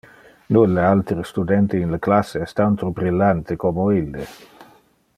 Nulle altere studente in le classe es tanto brillante como ille.